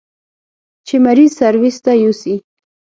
چې مريض سرويس ته يوسي.